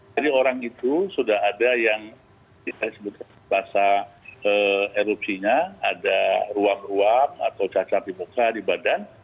jadi orang itu sudah ada yang kita sebutkan rasa erupsinya ada ruang ruang atau cacar di muka di badan